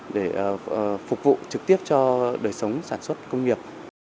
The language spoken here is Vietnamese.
để phục vụ trực tiếp cho đời sống sản xuất công nghiệp